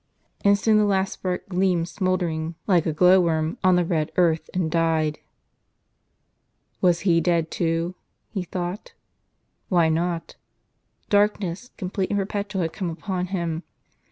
And soon the last spark gleamed smouldering like a glow worm, on the red earth, and died. Was he dead too? he thought. Why not? Darkness, complete and perpetual, had come upon him.